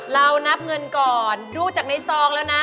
เรานับเงินก่อนดูจากในซองแล้วนะ